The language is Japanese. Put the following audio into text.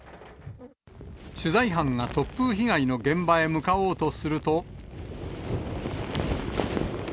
取材班が突風被害の現場へ向かおうとすると。